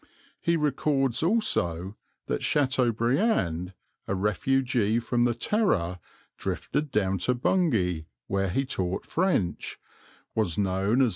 He records also that Chateaubriand, a refugee from the Terror, drifted down to Bungay, where he taught French, was known as M.